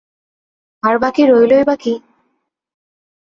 আর বাকি রইলই বা কী!